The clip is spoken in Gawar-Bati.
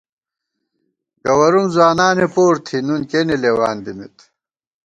گوَرُوم ځوانانے پور تھی ، نُون کېنےلېوان دِمېت